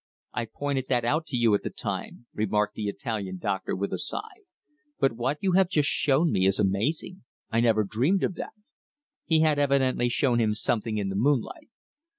"I pointed that out to you at the time," remarked the Italian doctor with a sigh. "But what you have just shown to me is amazing. I never dreamed of that!" He had evidently shown him something in the moonlight.